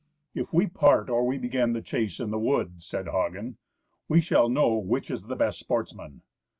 "If we part or we begin the chase in the wood," said Hagen, "we shall know which is the best sportsman.